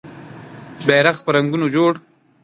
بېرغ په رنګونو جوړ